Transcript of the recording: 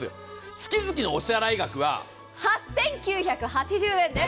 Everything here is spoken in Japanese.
月々のお支払い額は８９８０円です。